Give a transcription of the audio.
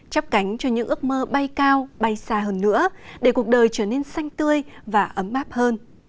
chắp cánh cho những ước mơ bay cao bay xa hơn nữa để cuộc đời trở nên xanh tươi và ấm áp hơn